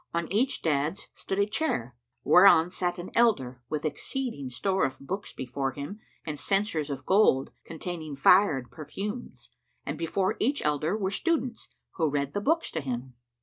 On each daďs stood a chair, whereon sat an elder, with exceeding store of books before him[FN#115] and censers of gold, containing fire and perfumes, and before each elder were students, who read the books to him.